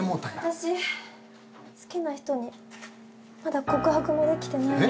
私好きな人にまだ告白もできてないのに。